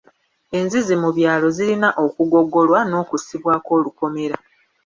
Enzizi mu byalo zirina okugogolwa n'okussibwako olukomera.